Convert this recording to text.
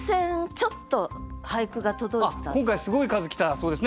あっ今回すごい数来たそうですね。